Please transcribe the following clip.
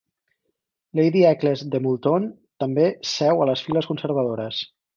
Lady Eccles de Moulton també seu a les files conservadores.